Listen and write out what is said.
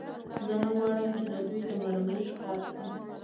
زه نه غواړم، چې د دوی د مرمۍ ښکار شم.